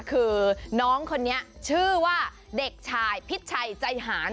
คือน้องคนนี้ชื่อว่าเด็กชายพิชัยใจหาน